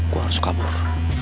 gue harus kabur